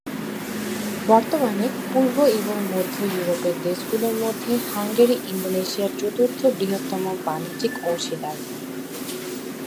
বর্তমানে পূর্ব এবং মধ্য ইউরোপের দেশগুলোর মধ্যে হাঙ্গেরি ইন্দোনেশিয়ার চতুর্থ বৃহত্তম বাণিজ্যিক অংশীদার।